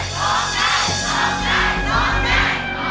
โครงใจโครงใจโครงใจ